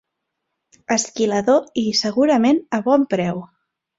Esquilador, i segurament a bon preu.